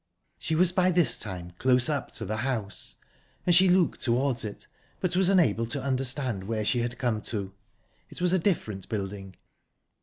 She was by this time close up to the house, and she looked towards it, but was unable to understand where she had come to. It was a different building.